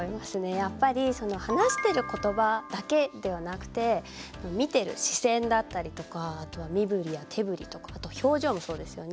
やっぱり話してることばだけではなくて見てる視線だったりとかあとは身ぶりや手ぶりとかあと表情もそうですよね。